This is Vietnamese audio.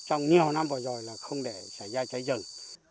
trong nhiều năm vừa rồi là không để xảy ra cháy rừng